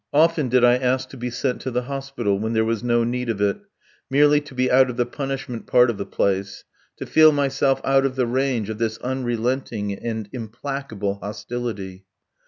Often did I ask to be sent to the hospital, when there was no need of it, merely to be out of the punishment part of the place, to feel myself out of the range of this unrelenting and implacable hostility.